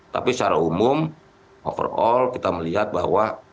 tapi secara umum overall kita melihat bahwa